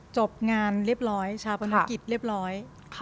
จบงานเรียบร้อยชาปนกิจเรียบร้อย